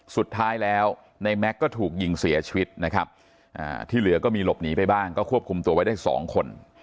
สุดท้ายแล้วในแม็กซ์ก็ถูกยิงเสียชีวิตนะครับที่เหลือก็มีหลบหนีไปบ้างก็ควบคุมตัวไว้ได้๒คน